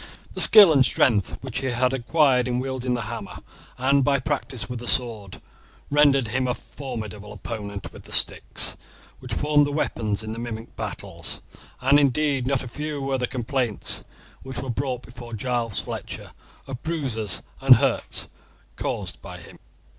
The skill and strength which he had acquired in wielding the hammer, and by practice with the sword rendered him a formidable opponent with the sticks, which formed the weapons in the mimic battles, and indeed not a few were the complaints which were brought before Giles Fletcher of bruises and hurts caused by him.